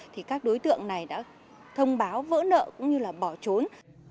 thì các đối tượng này đã thông báo vỡ nợ cũng như là bỏ trốn